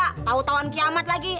tau tauan kiamat lagi